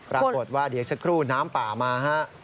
รับโพสต์ว่าเดี๋ยวสักครู่น้ำป่ามา